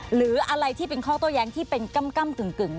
หรืออะไรที่เป็นเคราะห์โต๊ะแย้งที่เป็นกึ่ง